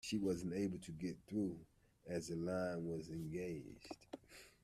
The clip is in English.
She wasn’t able to get through, as the line was engaged